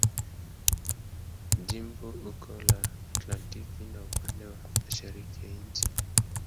Jimbo uko la Atlantiki na upande wa mashariki ya nchi.